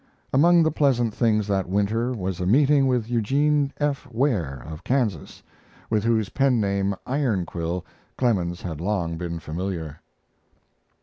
Among the pleasant things that winter was a meeting with Eugene F. Ware, of Kansas, with whose penname "Ironquill" Clemens had long been familiar.